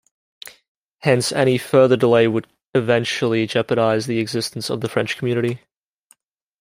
Hence, any further delay would eventually jeopardize the existence of the French community.